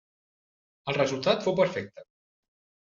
El resultat fou perfecte.